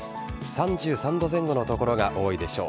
３３度前後の所が多いでしょう。